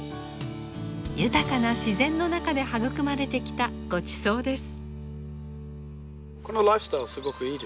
豊かな自然の中で育まれてきたごちそうです。